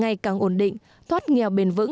ngày càng ổn định thoát nghèo bền vững